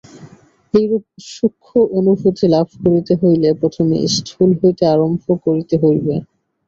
এইরূপ সূক্ষ্ম অনুভূতি লাভ করিতে হইলে প্রথমে স্থূল হইতে আরম্ভ করিতে হইবে।